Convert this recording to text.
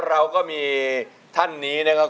เราก็มีท่านนี้นะครับ